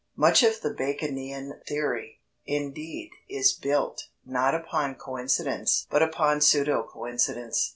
Much of the Baconian theory, indeed, is built, not upon coincidence, but upon pseudo coincidence.